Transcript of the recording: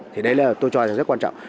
thì đây là tôi cho rằng rất quan trọng